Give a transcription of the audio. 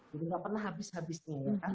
jadi nggak pernah habis habisnya